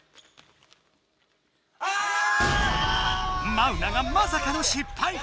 マウナがまさかの失敗！